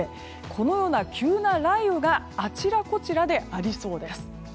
このような急な雷雨があちらこちらでありそうです。